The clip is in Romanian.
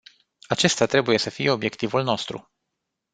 Acesta trebuie să fie obiectivul nostru.